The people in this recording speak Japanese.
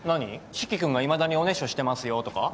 四鬼君がいまだにおねしょしてますよとか？